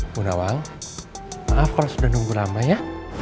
bu nawang maaf kalau sudah nunggu lama ya